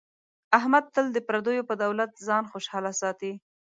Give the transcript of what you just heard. احمد تل د پردیو په دولت ځان خوشحاله ساتي.